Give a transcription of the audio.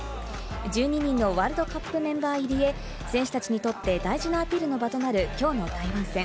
１２人のワールドカップメンバー入りへ、選手たちにとって大事なアピールの場となるきょうの台湾戦。